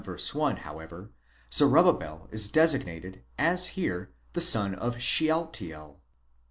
1, however, Zerubbabel is designated, as here, the son of Shealtiel.